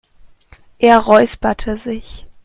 Er räusperte sich.